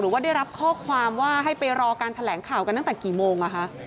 ว่าได้รับข้อความว่าให้ไปรอการแถลงข่าวกันตั้งแต่กี่โมง